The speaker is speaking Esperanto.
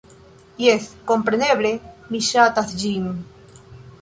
Jes, kompreneble, mi ŝatas ĝin!